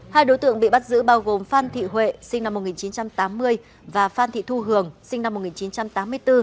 hai đối tượng bị bắt giữ bao gồm phan thị huệ sinh năm một nghìn chín trăm tám mươi và phan thị thu hường sinh năm một nghìn chín trăm tám mươi bốn